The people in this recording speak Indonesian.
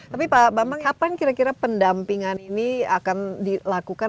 tapi pak bambang kapan kira kira pendampingan ini akan dilakukan